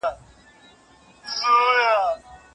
له هیڅ پلوه د مقایسې وړ نه دي.